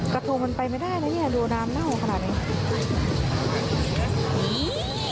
กระทงมันไปไม่ได้แล้วเนี่ยดูน้ำเน่าขนาดนี้